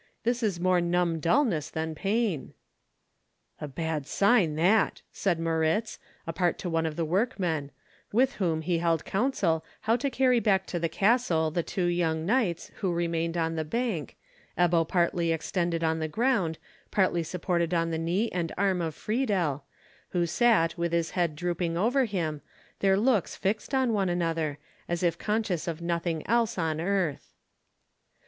This is more numb dulness than pain." "A bad sign that," said Moritz, apart to one of the workmen, with whom he held counsel how to carry back to the castle the two young knights, who remained on the bank, Ebbo partly extended on the ground, partly supported on the knee and arm of Friedel, who sat with his head drooping over him, their looks fixed on one another, as if conscious of nothing else on earth.